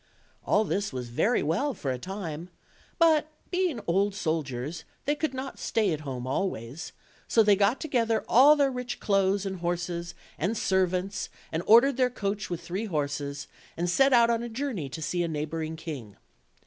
All this was very well for a time; but being old soldiers, they could not stay at home always, so they got together all their rich clothes and horses, and servants, and ordered their coach with three horses, and set out on a journey to see a neighboring king.